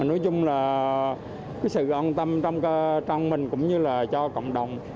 nói chung là sự on tâm trong mình cũng như là cho cộng đồng